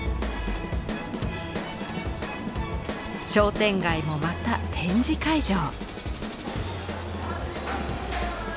商店街もまた展示会場。